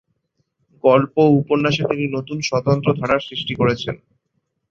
গল্প ও উপন্যাসে তিনি নতুন স্বতন্ত্র ধারার সৃষ্টি করেছেন।